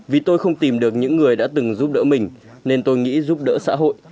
vì tôi không tìm được những người đã từng giúp đỡ mình nên tôi nghĩ giúp đỡ xã hội